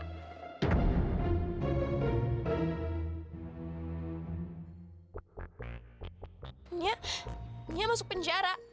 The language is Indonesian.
nya nya masuk penjara